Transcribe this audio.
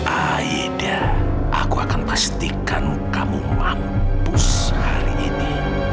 aida aku akan pastikan kamu mampu hari ini